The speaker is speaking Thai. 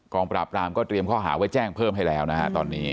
ปราบรามก็เตรียมข้อหาไว้แจ้งเพิ่มให้แล้วนะฮะตอนนี้